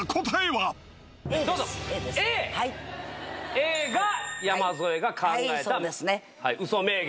Ａが山添が考えたウソ名言。